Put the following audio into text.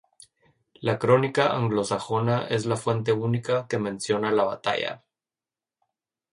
La "Crónica anglosajona" es la fuente única que menciona la batalla.